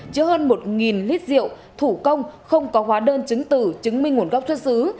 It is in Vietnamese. chứa hơn một lít rượu thủ công không có hóa đơn chứng tử chứng minh nguồn gốc xuất xứ